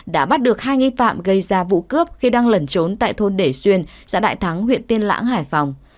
đã bắt được hai nghi phạm gây ra vụ cướp khi đang lẩn trốn tại thôn để xuyên xã đại thắng huyện tiên lãng hải phòng